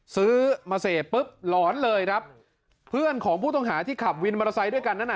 ซื้อมาเสพปุ๊บหลอนเลยครับเพื่อนของผู้ต้องหาที่ขับวินมอเตอร์ไซค์ด้วยกันนั้นน่ะ